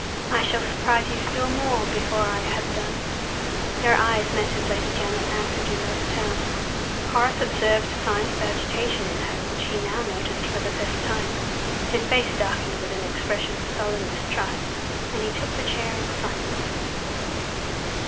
"I shall surprise you still more before I have done." Their eyes met as Lady Janet answered in those terms. Horace observed signs of agitation in her, which he now noticed for the first time. His face darkened with an expression of sullen distrust and he took the chair in silence.